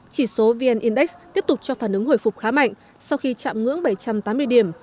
chỉ số vn index tiếp tục cho phản ứng hồi phục khá mạnh sau khi chạm ngưỡng bảy trăm tám mươi điểm